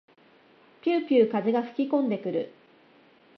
ぴゅうぴゅう風が吹きこんでくる。